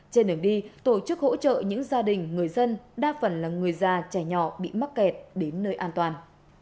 trên đường đi tổ chức hỗ trợ những gia đình người dân đa phần là người già trẻ nhỏ bị mắc kẹt đến nơi an toàn